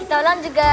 kita ulang juga